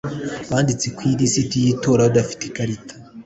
banditse ku ilisiti y itora badafite ikarita